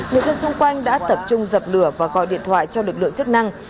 người dân xung quanh đã tập trung dập lửa và gọi điện thoại cho lực lượng chức năng